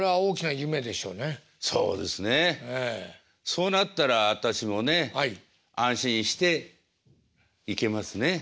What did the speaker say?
そうなったら私もね安心して行けますね。